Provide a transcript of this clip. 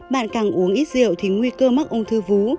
bạn càng uống ít rượu thì nguy cơ mắc ung thư vú